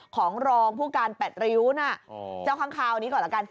ของรองผู้การแปดระยุทธ์น่ะอ๋อเจ้าข้างคาวนี้ก่อนละกัน